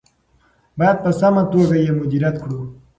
باید په سمه توګه یې مدیریت کړو.